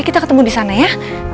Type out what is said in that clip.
kita ketemu di sana ya